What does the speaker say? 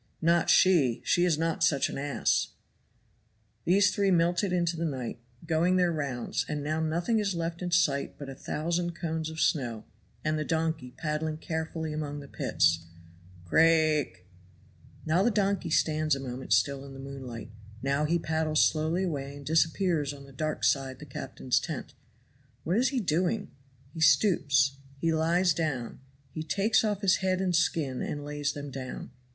"Not she. She is not such an ass." These three melted into the night, going their rounds; and now nothing is left in sight but a thousand cones of snow, and the donkey paddling carefully among the pits. Craake! Now the donkey stands a moment still in the moonlight now he paddles slowly away and disappears on the dark side the captain's tent. What is he doing? He stoops he lies down he takes off his head and skin and lays them down.